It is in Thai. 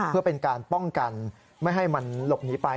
เพื่อเป็นการป้องกันไม่ให้มันหลบหนีไป